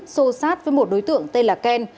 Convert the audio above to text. xô sát với một đối tượng tên là ken